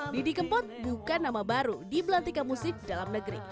didi kempot bukan nama baru di belantika musik dalam negeri